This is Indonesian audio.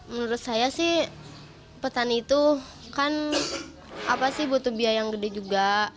menurut saya sih petani itu kan apa sih butuh biaya yang gede juga